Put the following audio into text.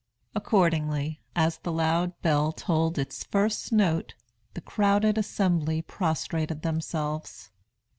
Accordingly, as the loud bell tolled its first note, the crowded assembly prostrated themselves.